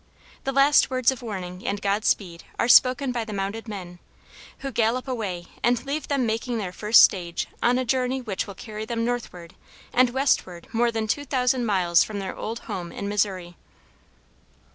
The last words of warning and God speed are spoken by the mounted men, who gallop away and leave them making their first stage on a journey which will carry them northward and westward more than two thousand miles from their old home in Missouri.